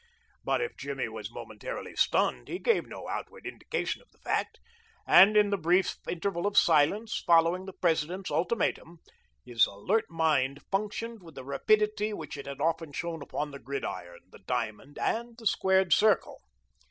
But if Jimmy was momentarily stunned he gave no outward indication of the fact, and in the brief interval of silence following the president's ultimatum his alert mind functioned with the rapidity which it had often shown upon the gridiron, the diamond, and the squared circle.